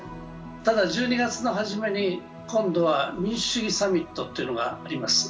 ただ、１２月の初めに今度は民主主義サミットというのがあります。